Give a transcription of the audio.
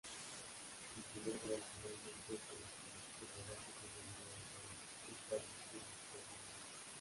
Titulada originariamente "El turista", el rodaje tuvo lugar en Florencia, Italia, durante cuatro semanas.